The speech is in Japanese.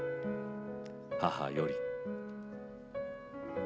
母より」。